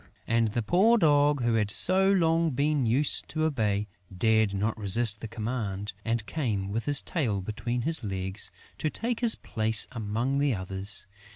And the poor Dog, who had so long been used to obey, dared not resist the command and came, with his tail between his legs, to take his place among the others.